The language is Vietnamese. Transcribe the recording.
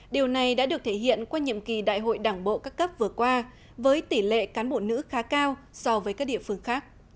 điều này đã được thể hiện qua nhiệm kỳ đại hội đảng bộ các cấp vừa qua với tỷ lệ cán bộ nữ khá cao so với các địa phương khác